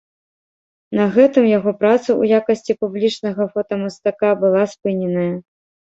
На гэтым яго праца ў якасці публічнага фотамастака была спыненая.